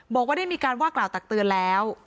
บอกว่าได้มีการว่ากล่าวตักเตือนแล้ว